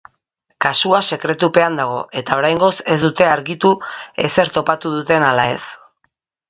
Kasua sekretupean dago eta oraingoz ez dute argitu ezer topatu duten ala ez.